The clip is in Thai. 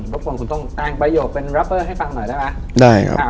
รบกวนคุณต้องตั้งประโยชน์เป็นรัปเบอร์ให้ฟังหน่อยได้ป่ะได้ครับอ่า